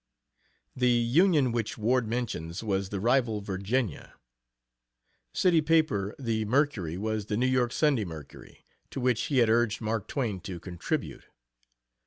The Union which Ward mentions was the rival Virginia. City paper; the Mercury was the New York Sunday Mercury, to which he had urged Mark Twain to contribute.